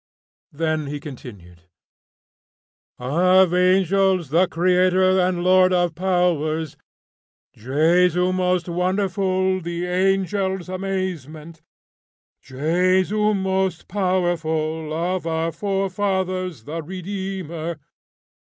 Then he continued: "Of angels the Creator and Lord of powers, Jesu most wonderful, the angels' amazement, Jesu most powerful, of our forefathers the Redeemer.